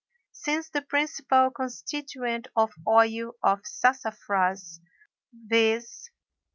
Since the principal constituent of oil of sassafras, viz.